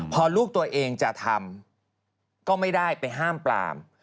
พอลูกตัวเองจะทำก็ไม่ได้ไปห้ามปราม